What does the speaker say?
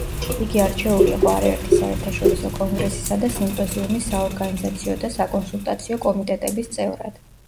იგი არჩეული იყო არაერთი საერთაშორისო კონგრესისა და სიმპოზიუმის საორგანიზაციო და საკონსულტაციო კომიტეტების წევრად.